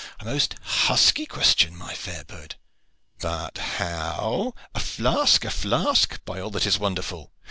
"A most husky question, my fair bird! But how? A flask, a flask! by all that is wonderful!"